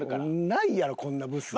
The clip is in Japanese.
ないやろこんなブスに。